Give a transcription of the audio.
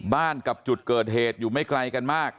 กับจุดเกิดเหตุอยู่ไม่ไกลกันมาก